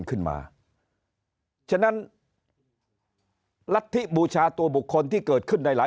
ขึ้นมาฉะนั้นรัฐธิบูชาตัวบุคคลที่เกิดขึ้นในหลาย